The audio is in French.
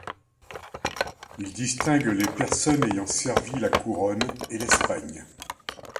Il distingue les personnes ayant servi la Couronne et l’Espagne.